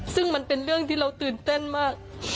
ซึ่งมันเป็นเรื่องที่เราตื่นเต้นมาก